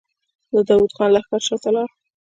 د داوود خان لښکر شاته لاړ.